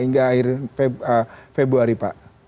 hingga akhir februari pak